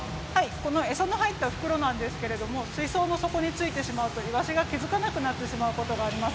餌の入った袋なんですけれども、水槽の底についてしまうといわしが気付かなくなってしまうことがあります。